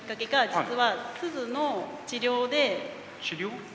治療？